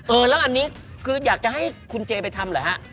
เออแล้วอันนี้คืออยากจะให้คุณเจไปทำเหรอฮะ